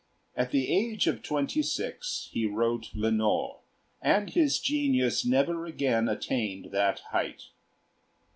At the age of twenty six he wrote 'Lenore,' and his genius never again attained that height.